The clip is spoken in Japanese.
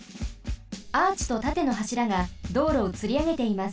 アーチとたてのはしらが道路をつりあげています。